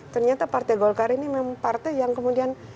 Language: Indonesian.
ternyata partai golkar ini memang partai yang kemudian